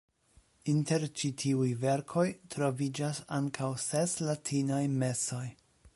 Inter ĉi tiuj verkoj troviĝas ankaŭ ses latinaj mesoj.